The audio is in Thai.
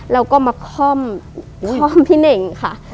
แล้วก็มาค่อมค่อมพี่เน่งค่ะ